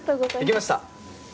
できました。